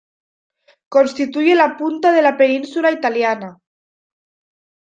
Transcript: Constituye la punta de la península italiana.